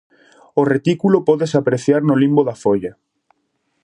O retículo pódese apreciar no limbo da folla.